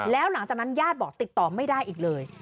แล้วหลังจากนั้นญาติบอกติดต่อไม่ได้อีกเลย